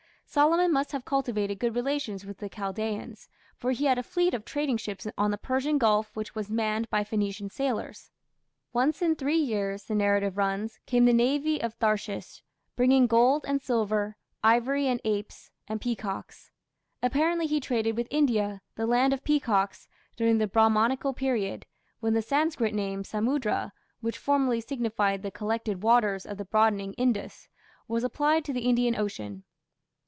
Solomon must have cultivated good relations with the Chaldaeans, for he had a fleet of trading ships on the Persian Gulf which was manned by Phoenician sailors. "Once in three years", the narrative runs, "came the navy of Tharshish, bringing gold, and silver, ivory, and apes, and peacocks." Apparently he traded with India, the land of peacocks, during the Brahmanical period, when the Sanskrit name "Samudra", which formerly signified the "collected waters" of the broadening Indus, was applied to the Indian Ocean.